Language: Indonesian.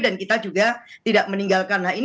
dan kita juga tidak meninggalkan